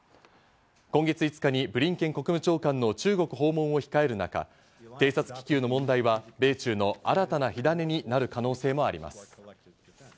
今月５日にブリンケン国務長官の中国訪問を控える中、偵察気球の問題は米中の新たな火種になる可能性もあります。